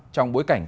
trong bối cảnh